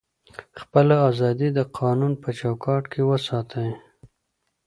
خپله ازادي د قانون په چوکاټ کي وساتئ.